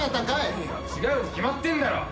違うに決まってんだろ！